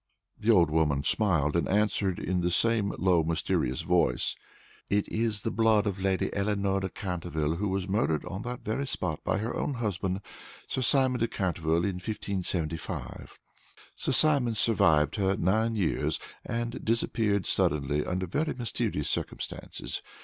The old woman smiled, and answered in the same low, mysterious voice, "It is the blood of Lady Eleanore de Canterville, who was murdered on that very spot by her own husband, Sir Simon de Canterville, in 1575. Sir Simon survived her nine years, and disappeared suddenly under very mysterious circumstances.